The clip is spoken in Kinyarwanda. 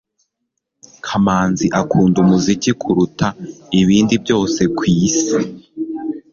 kamanzi akunda umuziki kuruta ibindi byose kwisi